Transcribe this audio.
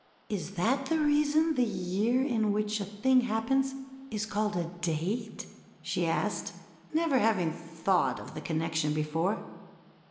^^Is that the reason the year in which a thing happens is called a date ? she asked, never having thought of the connection be fore.